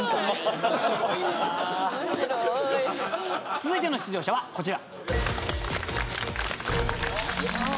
続いての出場者はこちら。